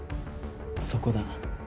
そこだ。